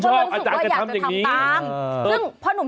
สกิดยิ้ม